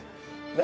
何？